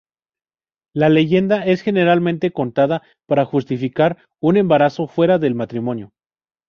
La leyenda es generalmente contada para justificar un embarazo fuera del matrimonio.